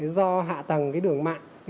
do hạ tầng đường mạng